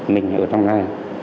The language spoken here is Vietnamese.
mình ở trong này